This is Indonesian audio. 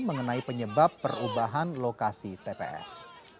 mengenai penyebab perubahan lokasi tps